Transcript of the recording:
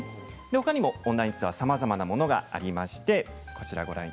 ほかにもオンラインツアーさまざまなものがあります。